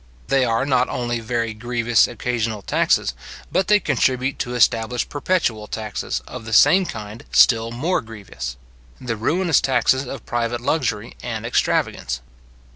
They are not only very grievous occasional taxes, but they contribute to establish perpetual taxes, of the same kind, still more grievous; the ruinous taxes of private luxury and extravagance.